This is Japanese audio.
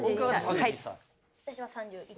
私は３１。